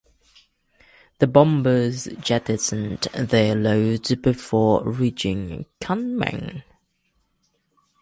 The bombers jettisoned their loads before reaching Kunming.